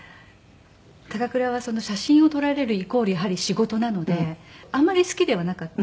高倉は写真を撮られるイコールやはり仕事なのであまり好きではなかった。